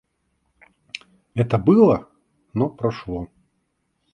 Это было, но прошло.